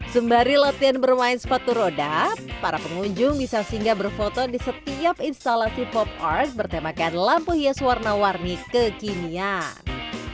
sembari latihan bermain sepatu roda para pengunjung bisa singgah berfoto di setiap instalasi pop art bertemakan lampu hias warna warni kekinian